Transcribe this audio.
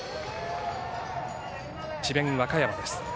智弁和歌山です。